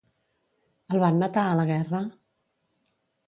El van matar a la guerra?